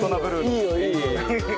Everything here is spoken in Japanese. いいいい。